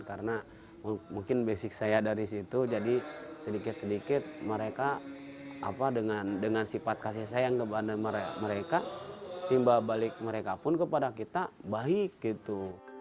karena mungkin basic saya dari situ jadi sedikit sedikit mereka dengan sifat kasih sayang kepada mereka timba balik mereka pun kepada kita baik gitu